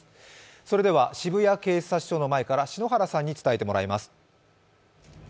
それでは渋谷警察署の前から篠原さんに伝えてもらいます。